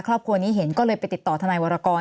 ครอบครัวนี้เห็นก็เลยไปติดต่อทนายวรกร